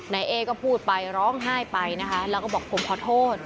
นายเอ๊ก็พูดไปร้องไห้ไปนะคะแล้วก็บอกผมขอโทษ